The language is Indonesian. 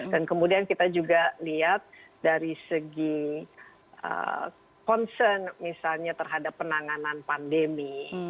dan kemudian kita juga lihat dari segi concern misalnya terhadap penanganan pandemi